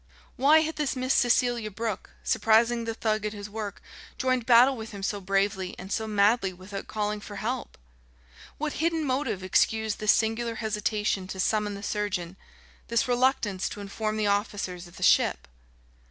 Why had this Miss Cecelia Brooke, surprising the thug at his work, joined battle with him so bravely and so madly without calling for help? What hidden motive excused this singular hesitation to summon the surgeon, this reluctance to inform the officers of the ship?